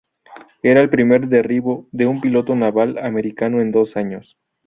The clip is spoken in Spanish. Era el primer derribo de un piloto naval americano en dos años.